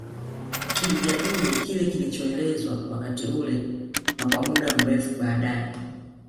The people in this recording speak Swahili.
Kilijadili kile kilichoelezwa wakati ule na kwa muda mrefu baadae